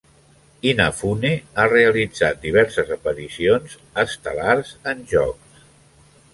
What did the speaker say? Inafune ha realitzat diverses aparicions estel·lars en jocs.